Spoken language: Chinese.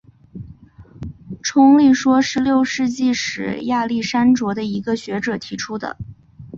冲力说是六世纪时亚历山卓的一个学者提出的。